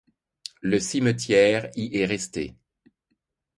Le cimetière y est resté.